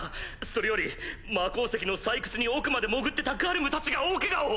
それより魔鉱石の採掘に奥まで潜ってたガルムたちが大ケガを！